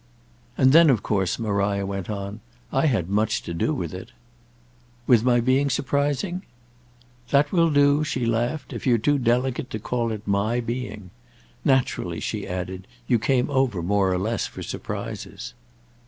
"And then of course," Maria went on, "I had much to do with it." "With my being surprising—?" "That will do," she laughed, "if you're too delicate to call it my being! Naturally," she added, "you came over more or less for surprises."